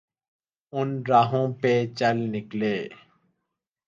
ان راہوں پہ چل نکلے۔